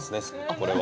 これは。